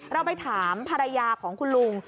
เราไปถามภรรยาของคุณลุง